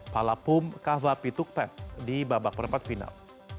palapum kavapitukpet di babak perempat final